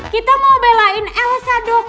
kita mau belain elsa dok